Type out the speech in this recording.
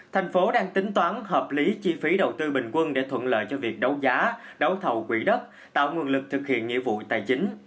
thành phố đang tính toán hợp lý chi phí đầu tư bình quân để thuận lợi cho việc đấu giá đấu thầu quỹ đất tạo nguồn lực thực hiện nghĩa vụ tài chính